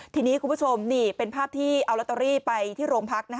ทีนี้คุณผู้ชมนี่เป็นภาพที่เอาลอตเตอรี่ไปที่โรงพัก